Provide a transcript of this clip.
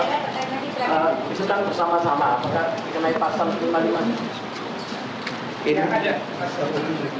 apakah dikenai pasal kelima klima ini